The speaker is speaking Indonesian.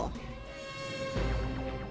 sejumlah rumah warga juga terpantau robo